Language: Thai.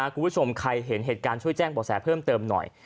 คุณผู้ชมใครเห็นเหตุการณ์ช่วยแจ้งบ่อแสเพิ่มเติมหน่อย